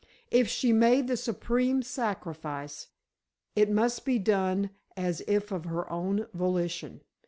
If she made the supreme sacrifice, it must be done as if of her own volition.